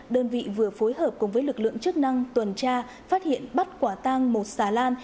đơn vị vừa phối hợp cùng với lực lượng chức năng tuần tra phát hiện bắt quả tang một xà lan